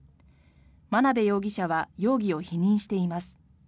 眞鍋容疑者は容疑を否認しています。